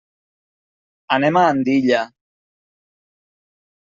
Anem a Andilla.